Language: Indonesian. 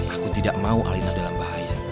aku tidak mau alina dalam bahaya